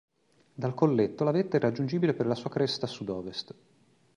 Dal colletto la vetta è raggiungibile per la sua cresta sud-ovest.